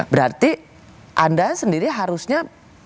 berarti anda sendiri harusnya